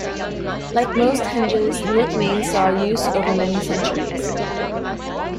Like most henges North Mains saw use over many centuries.